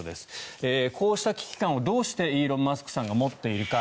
こうした危機感をどうしてイーロン・マスクさんが持っているか。